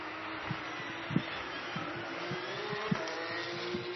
后者即土耳其人团伙则把重点放在贩运东欧妓女上。